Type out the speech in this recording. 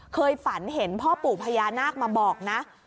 เคยฝันเห็นพ่อปู่พญานาคมาบอกนะ